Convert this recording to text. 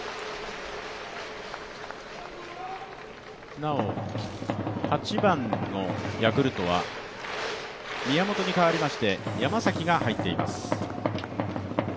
なお、８番のヤクルトは宮本に代わりまして山崎が入っています。